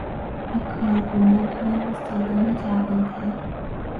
به کار گماری استادان جوانتر